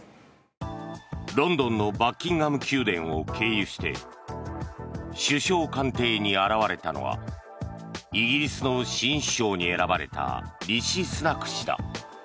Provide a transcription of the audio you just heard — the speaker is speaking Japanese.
ロンドンのバッキンガム宮殿を経由して首相官邸に現れたのはイギリスの新首相に選ばれたリシ・スナク氏だ。